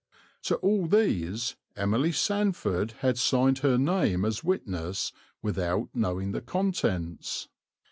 To all these Emily Sandford had signed her name as witness without knowing the contents.